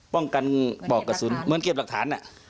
ป้องกันเบาะกระสุนเหมือนเก็บรักฐานน่ะ